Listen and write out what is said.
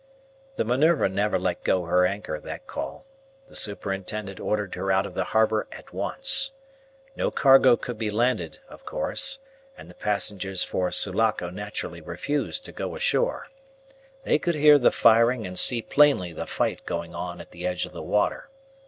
The Minerva never let go her anchor that call. The superintendent ordered her out of the harbour at once. No cargo could be landed, of course, and the passengers for Sulaco naturally refused to go ashore. They could hear the firing and see plainly the fight going on at the edge of the water.